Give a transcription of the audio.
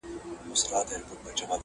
په تش دیدن به یې زړه ولي ښه کومه٫